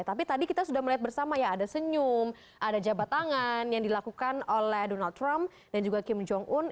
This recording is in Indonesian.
tapi tadi kita sudah melihat bersama ya ada senyum ada jabat tangan yang dilakukan oleh donald trump dan juga kim jong un